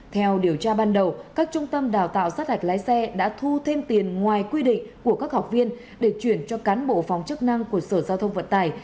theo điều tra ban đầu các trung tâm đào tạo sát hạch lái xe đã thu thêm tiền ngoài quy định của các học viên để chuyển cho cán bộ phòng chức năng của sở giao thông vận tài